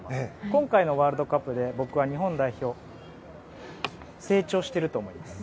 今回のワールドカップで僕は、日本代表は成長していると思います。